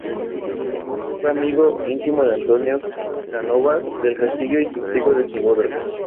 Fue amigo íntimo de Antonio Cánovas del Castillo, y testigo de su boda.